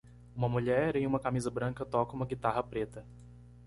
Uma mulher em uma camisa branca toca uma guitarra preta.